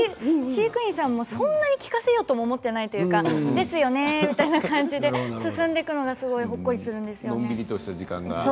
飼育員さんもそんなに聞かせようと思っていないというかそうですよねみたいな感じで進んでいくのがほっこりするんですよ。